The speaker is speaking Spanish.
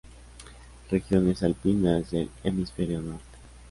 Regiones alpinas del Hemisferio Norte.